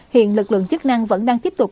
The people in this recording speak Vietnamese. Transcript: hiện lực lượng chức năng vẫn đang tiếp tục